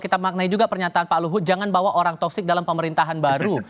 oke tapi kalau kita juga memaknai pernyataan pak luhut jangan bawa orang toksik dalam pemerintahan baru